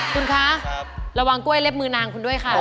คุณครับระวังางก้วยเลิฟมือนางคุณด้วยค่ะ